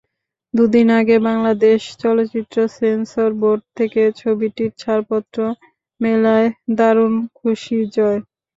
দুদিন আগে বাংলাদেশ চলচ্চিত্র সেন্সর বোর্ড থেকে ছবিটির ছাড়পত্র মেলায় দারুণ খুশি জয়।